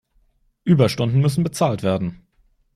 Überstunden müssen bezahlt werden.